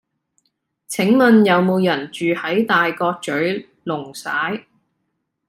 請問有無人住喺大角嘴瓏璽